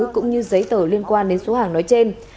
cũng như giấy tờ liên quan đến số hàng nói trên